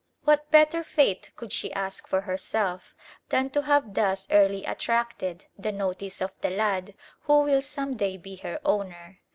What better fate could she ask for herself than to have thus early attracted the notice of the lad who will some day be her owner?